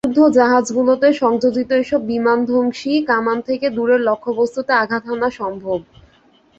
যুদ্ধজাহাজগুলোতে সংযোজিত এসব বিমানবিধ্বংসী কামান থেকে দূরের লক্ষ্যবস্তুতে আঘাত হানা সম্ভব।